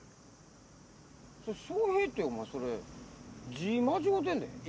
「笑平」っておまえそれ字間違うてんで。